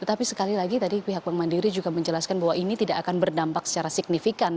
tetapi sekali lagi tadi pihak bank mandiri juga menjelaskan bahwa ini tidak akan berdampak secara signifikan